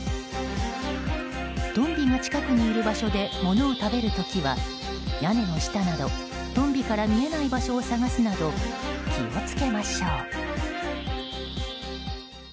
トンビが近くにいる場所でものを食べる時は屋根の下など、トンビから見えない場所を探すなど気を付けましょう。